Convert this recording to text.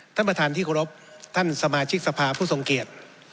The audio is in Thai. ท่านประธานที่เคารพท่านสมาชิกสภาผู้ทรงเกียจ